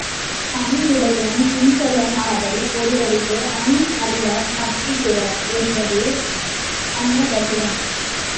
பணிவுடையன் இன்சொலன் ஆதல் ஒருவற்கு அணி, அல்ல மற்றுப் பிற என்பது அந்த வள்ளுவம்.